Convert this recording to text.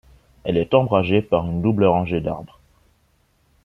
Elle est ombragée par une double rangée d'arbres.